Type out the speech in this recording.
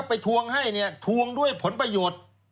ไปทวงด้วยผลประโยชน์